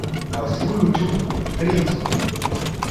Aŭskultu, princo!